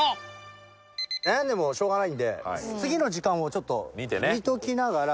悩んでもしょうがないんで次の時間をちょっと見ときながら。